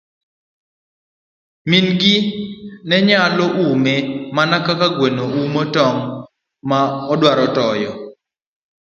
Min gi nenyalo ume mana kaka gweno umo tong' ma odwaro toyo.